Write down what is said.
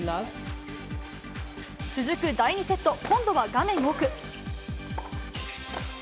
続く第２セット、今度は画面奥。